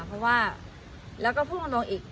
เพราะว่าแล้วก็พูดตรงตรงอีก